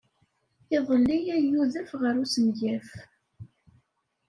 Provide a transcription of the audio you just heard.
Iḍelli ay yudef ɣer usegnaf.